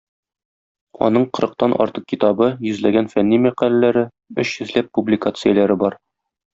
Аның кырыктан артык китабы, йөзләгән фәнни мәкаләләре, өч йөзләп публикацияләре бар.